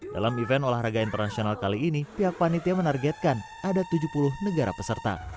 dalam event olahraga internasional kali ini pihak panitia menargetkan ada tujuh puluh negara peserta